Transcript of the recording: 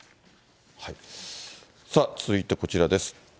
さあ、続いてこちらです。